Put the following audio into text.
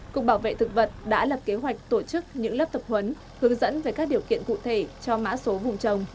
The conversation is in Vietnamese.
cục bảo vệ thực vật đã lập kế hoạch tổ chức những lớp tập huấn hướng dẫn về các điều kiện cụ thể cho mã số vùng trồng